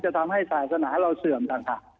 จะทำให้ศาสนาเราเสื่อมนะฮะ